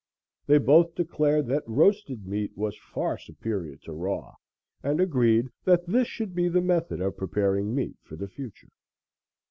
They both declared that roasted meat was far superior to raw, and agreed that this should be the method of preparing meat for the future.